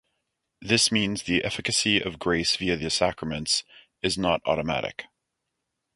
This means the efficacy of grace via the sacraments is not automatic.